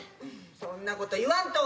そんなこと言わんと。